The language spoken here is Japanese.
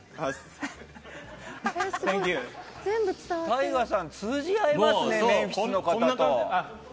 ＴＡＩＧＡさん通じ合いますねメンフィスの方と。